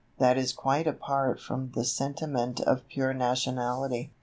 That is quite apart from the sentiment of pure nationality.